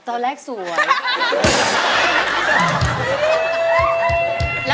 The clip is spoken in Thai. ตอนแรกสวย